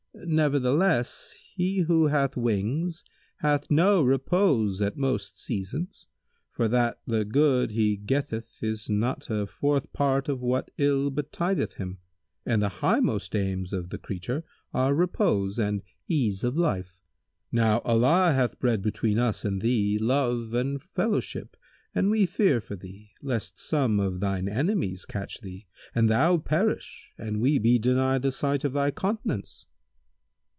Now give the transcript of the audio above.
Nevertheless he who hath wings hath no repose at most seasons, for that the good he getteth is not a fourth part of what ill betideth him, and the highmost aims of the creature are repose and ease of life. Now Allah hath bred between us and thee love and fellowship and we fear for thee, lest some of thine enemies catch thee and thou perish and we be denied the sight of thy countenance."